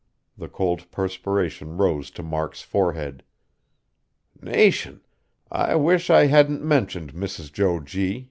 The cold perspiration rose to Mark's forehead. "Nation! I wish I hadn't mentioned Mrs. Jo G.